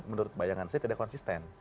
menurut bayangan saya tidak konsisten